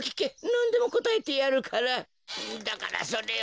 なんでもこたえてやるからだからそれを。